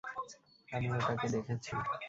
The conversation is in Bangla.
আমি ওটাকে দেখেছি!